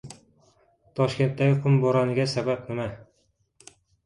Toshkentdagi qum bo‘roniga sababi nima?